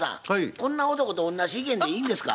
こんな男と同じ意見でいいんですか？